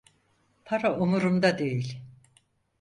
Para umurumda değil.